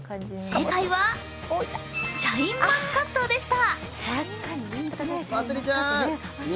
正解はシャインマスカットでした。